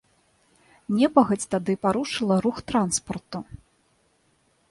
Непагадзь тады парушыла рух транспарту.